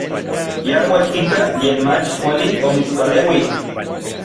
Ya uejkika yen mach kuali omitspaleuij.